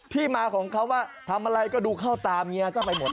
ที่มาของเขาว่าทำอะไรก็ดูเข้าตาเมียซะไปหมด